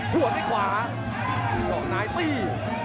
หัวในขวาหัวหน้าตี